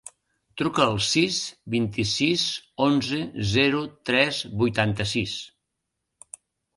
Truca al sis, vint-i-sis, onze, zero, tres, vuitanta-sis.